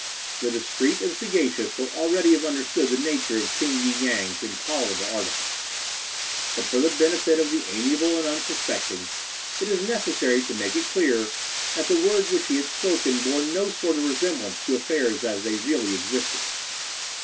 "The discreet and sagacious will already have understood the nature of King y Yang's intolerable artifice; but, for the benefit of the amiable and unsuspecting, it is necessary to make it clear that the words which he had spoken bore no sort of resemblance to affairs as they really existed.